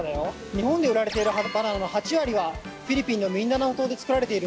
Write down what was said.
日本で売られているバナナの８割はフィリピンのミンダナオ島で作られているんだ。